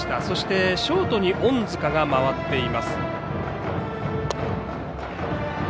そして、ショートに隠塚が回っています。